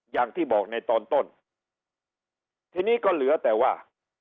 อย่างที่บอกในตอนต้นทีนี้ก็เหลือแต่ว่า